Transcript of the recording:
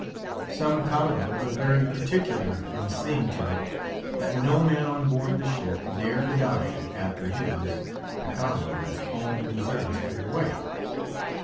Some Commodores are very particular in seeing to it, that no man on board the ship dare to dine after his (the Commodore's,) own dessert is cleared away.